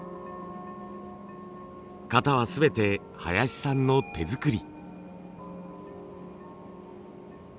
型は全て林さんの手作り。